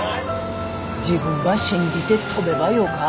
自分ば信じて飛べばよか。